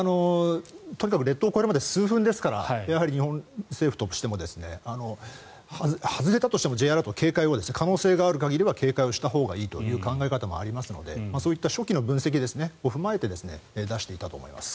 とにかく列島を越えるまで数分ですから日本政府としても外れたとしてもＪアラートは警戒を可能性がある限りは警戒をしたほうがいいという考え方もありますのでそういった初期の分析を踏まえて出していたと思います。